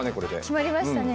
決まりましたね！